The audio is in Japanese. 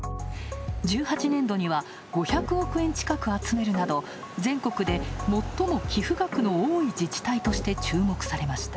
１８年度には５００億円近く集めるなど全国で最も寄付額の多い自治体として注目されました。